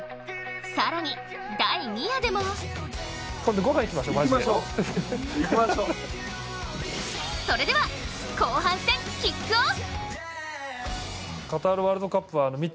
更に第２夜でもそれでは後半戦、キックオフ！